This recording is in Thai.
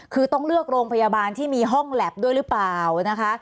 คือต้องเลือกโรงพยาบาลที่มีห้องแล็บด้วยหรือเปล่านะคะ